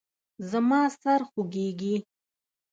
زما سر خوږیږي